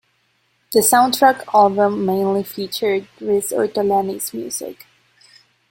The soundtrack album mainly featured Riz Ortolani's music.